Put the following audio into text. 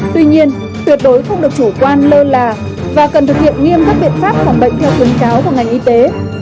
tuy nhiên tuyệt đối không được chủ quan lơ là và cần thực hiện nghiêm các biện pháp phòng bệnh theo khuyến cáo của ngành y tế